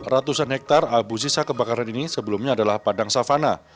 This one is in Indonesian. ratusan hektare abu sisa kebakaran ini sebelumnya adalah padang savana